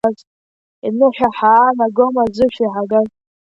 Иныҳәа ҳаанагома, зышәи ҳагаз?